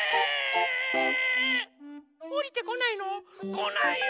こないよ。